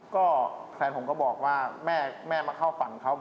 ก็ต้องมาทำบุญนะ